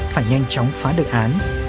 phải nhanh chóng phá được án